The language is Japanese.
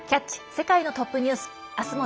世界のトップニュース」